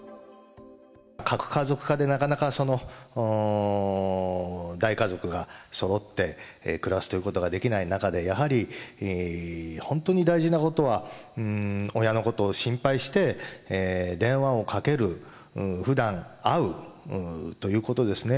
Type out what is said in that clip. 核家族化でなかなか大家族がそろって暮らすということができない中で、やはり本当に大事なことは、親のことを心配して電話をかける、ふだん会うということですね。